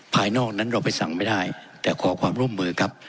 ภายนอกนั้นเราไปสั่งไม่ได้แต่ขอความร่วมมือครับ